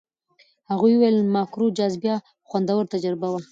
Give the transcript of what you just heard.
هغې وویل ماکرو جاذبه خوندور تجربه وه.